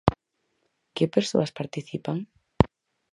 Que persoas participan?